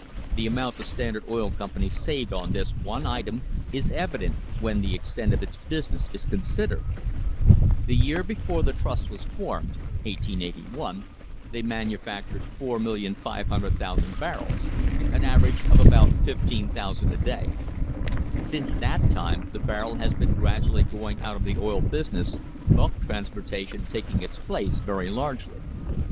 The amount the Standard Oil Company saved on this one item is evident when the extent of its business is considered. The year before the trust was formed (1881) they manufactured 4,500,000 barrels, an average of about 15,000 a day. Since that time the barrel has been gradually going out of the oil business, bulk transportation taking its place very largely.